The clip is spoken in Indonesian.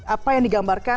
apa yang digambarkan